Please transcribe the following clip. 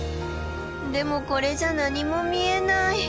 でもこれじゃ何も見えない。